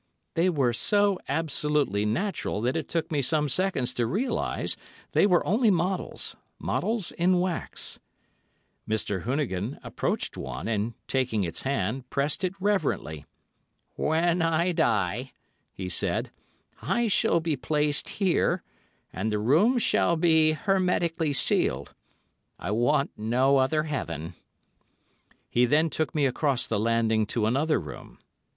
They were so absolutely natural that it took me some seconds to realise they were only models—models in wax. Mr. Hoonigan approached one, and taking its hand, pressed it reverently. 'When I die,' he said, 'I shall be placed here, and the room shall be hermetically sealed. I want no other heaven.' He then took me across the landing to another room.